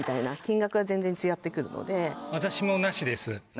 私もなしです。